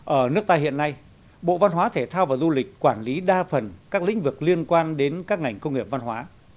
ở nước ta hiện nay bộ văn hóa thể thao và du lịch quản lý đa phần các lĩnh vực liên quan đến các ngành công nghiệp văn hóa